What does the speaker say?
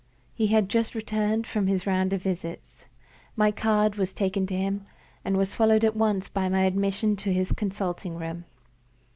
He had just returned from his round of visits. My card was taken to him, and was followed at once by my admission to his consulting room.